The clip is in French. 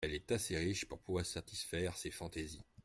Elle est assez riche pour pouvoir satisfaire ses fantaisies.